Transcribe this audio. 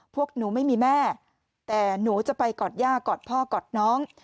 พวกหนูไม่มีแม่แต่หนูจะไปกอดย่ากอดพ่อกอดน้อง